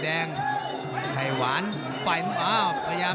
ยังกินยังไม่ลุงนะ